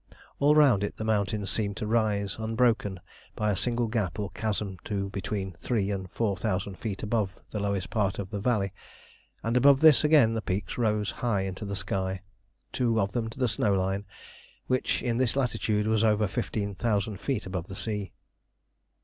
All round it the mountains seemed to rise unbroken by a single gap or chasm to between three and four thousand feet above the lowest part of the valley, and above this again the peaks rose high into the sky, two of them to the snow line, which in this latitude was over 15,000 feet above the sea.